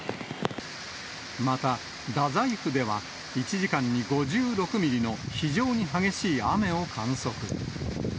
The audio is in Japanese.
また、大宰府では１時間に５６ミリの非常に激しい雨を観測。